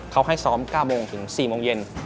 เขาให้ซ้อม๙โมงถึง๔โมงเย็น